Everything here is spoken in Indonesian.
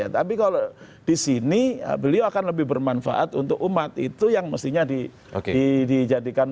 tapi kalau di sini beliau akan lebih bermanfaat untuk umat itu yang mestinya dijadikan